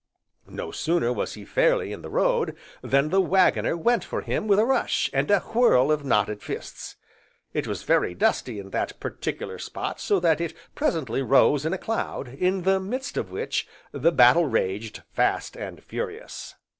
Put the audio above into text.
No sooner was he fairly in the road, than the Waggoner went for him with a rush, and a whirl of knotted fists. It was very dusty in that particular spot so that it presently rose in a cloud, in the midst of which, the battle raged, fast and furious.